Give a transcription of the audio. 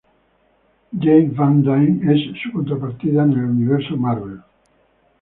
Janet Van Dyne es su contrapartida en el universo Marvel